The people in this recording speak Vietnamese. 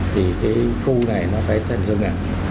thì khu này phải thành rừng